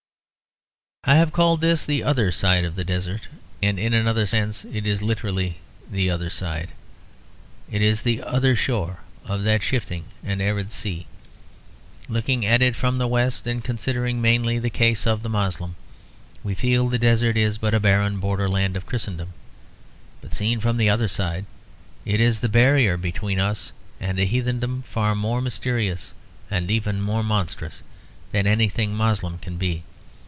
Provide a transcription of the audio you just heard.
I have called this the other side of the desert; and in another sense it is literally the other side. It is the other shore of that shifting and arid sea. Looking at it from the West and considering mainly the case of the Moslem, we feel the desert is but a barren border land of Christendom; but seen from the other side it is the barrier between us and a heathendom far more mysterious and even monstrous than anything Moslem can be.